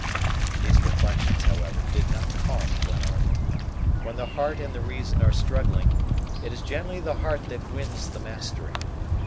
These reflections, however, did not calm Glenarvan. When the heart and the reason are struggling, it is generally the heart that wins the mastery.